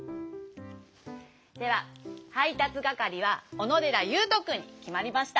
でははいたつがかりはおのでらゆうとくんにきまりました。